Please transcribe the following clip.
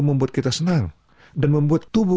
membuat kita senang dan membuat tubuh